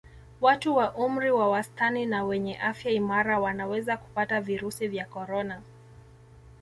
Watu wa umri wa wastani na wenye afya imara wanaweza kupata virusi vya Corona